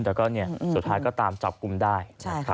แต่ก็สุดท้ายก็ตามจับกลุ่มได้